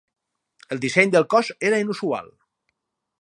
El disseny del cos era inusual.